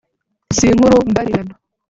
si nkuru mbarirano